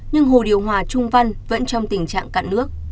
nhưng hồ điều hòa trung văn vẫn trong tình trạng cạn nước